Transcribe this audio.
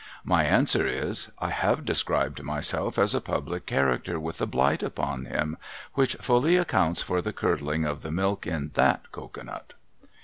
My answer is, I have described myself as a public character with a blight upon him^ — which fully accounts for the curdling of the milk in that cocoa nut.